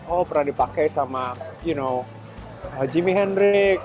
oh pernah dipakai sama you know jimi hendrix